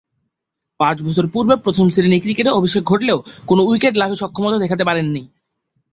পাঁচ বছর পূর্বে প্রথম-শ্রেণীর ক্রিকেটে অভিষেক ঘটলেও কোন উইকেট লাভে সক্ষমতা দেখাতে পারেননি।